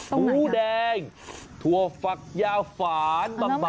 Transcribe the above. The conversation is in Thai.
หมูแดงเทวฝักยาฝาน